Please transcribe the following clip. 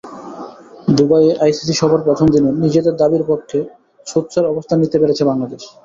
দুবাইয়ে আইসিসি সভার প্রথম দিনে নিজেদের দাবির পক্ষে সোচ্চার অবস্থান নিতে পেরেছে বাংলাদেশ।